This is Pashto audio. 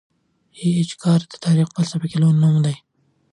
ای اېچ کار د تاریخ په فلسفه کي لوی نوم دی.